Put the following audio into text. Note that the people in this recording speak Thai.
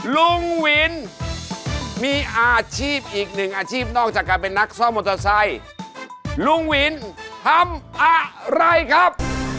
รถไม้โบราณครับ